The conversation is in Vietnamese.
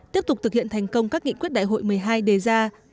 tiếp tục thực hiện thành công các nghị quyết đại hội một mươi hai đề ra